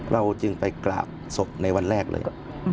เราจึงไปกราบศพในวันแรกเลย